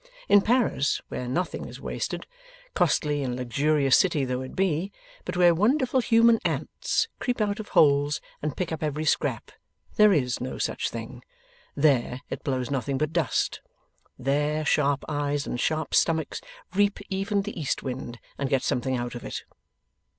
In Paris, where nothing is wasted, costly and luxurious city though it be, but where wonderful human ants creep out of holes and pick up every scrap, there is no such thing. There, it blows nothing but dust. There, sharp eyes and sharp stomachs reap even the east wind, and get something out of it.